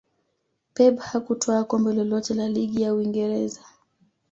pep hakutwaa kombe lolote la ligi ya uingereza